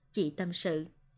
chị tâm sự